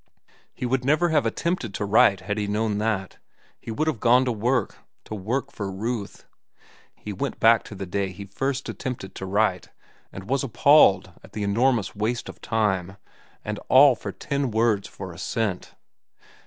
He would never have attempted to write had he known that. He would have gone to work—to work for Ruth. He went back to the day he first attempted to write, and was appalled at the enormous waste of time—and all for ten words for a cent.